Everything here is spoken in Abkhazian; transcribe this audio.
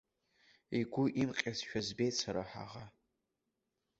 Игәы имҟьазшәа збеит сара ҳаӷа.